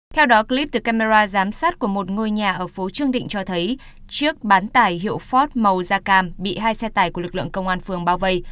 theo đó clip từ camera giám sát của một ngôi nhà ở phố trương định cho thấy chiếc bán tải hiệu fort màu da cam bị hai xe tải của lực lượng công an phường bao vây